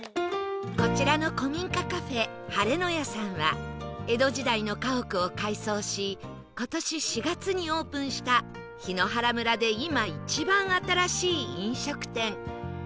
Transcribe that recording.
こちらの古民家カフェ晴ノ舎さんは江戸時代の家屋を改装し今年４月にオープンした檜原村で今一番新しい飲食店